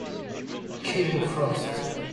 Killing frost